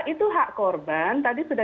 itu hak korban tadi sudah